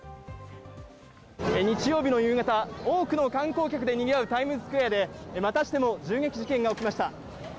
日曜日の夕方、多くの観光客でにぎわうタイムズスクエアでまたしても銃撃事件が起きました。